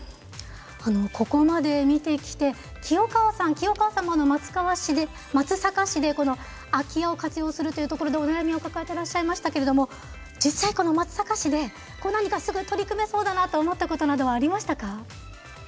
ここまで見てきて清川さん清川さんも松阪市でこの空き家を活用するというところでお悩みを抱えていらっしゃいましたけれども実際松阪市で何かすぐ取り組めそうだなと思ったことなどはありましたか？